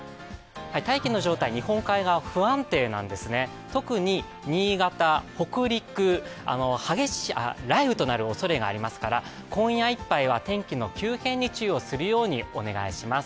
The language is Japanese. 大気の状態、日本海側、不安定なんですね、特に新潟、北陸、雷雨となるおそれがありますから今夜いっぱいは天気の急変に注意をするようにお願いします。